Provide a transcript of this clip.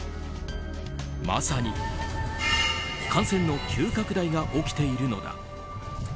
まさに感染の急拡大が起きているのだ。